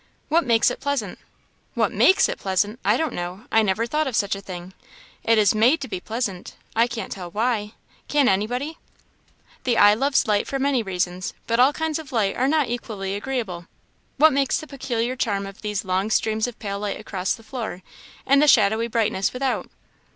"What makes it pleasant?" "What makes it pleasant! I don't know; I never thought of such a thing. It is made to be pleasant I can't tell why; can anybody?" "The eye loves light for many reasons; but all kinds of light are not equally agreeable. What makes the peculiar charm of these long streams of pale light across the floor? and the shadowy brightness without?"